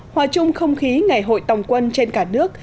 hòa chung không khí ngày hội tòng quân trên cả nước